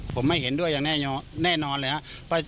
ผมไม่เห็นด้วยอย่างแน่นอนเลยครับ